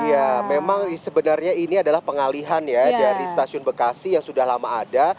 iya memang sebenarnya ini adalah pengalihan ya dari stasiun bekasi yang sudah lama ada